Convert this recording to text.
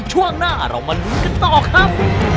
ช่วงหน้าเรามาลุ้นกันต่อครับ